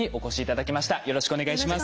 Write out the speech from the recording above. よろしくお願いします。